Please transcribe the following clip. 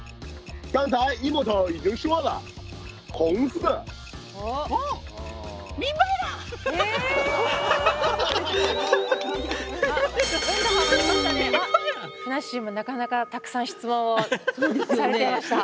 ふなっしーもなかなかたくさん質問をされてました。